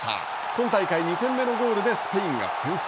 今大会２点目のゴールでスペインが先制。